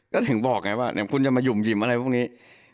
ก็ถึงบอกไงว่าคุณจะมาหยุ่มหิมอะไรพวกนี้